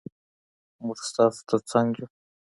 موږ ستاسو تر څنګ یو.